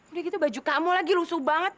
udah gitu baju kamu lagi lusuh banget